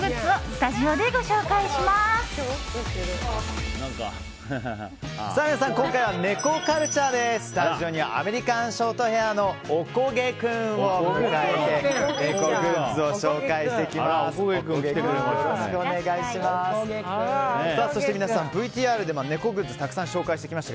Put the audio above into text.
スタジオにはアメリカンショートヘアのおこげ君を迎えてグッズをご紹介していきます。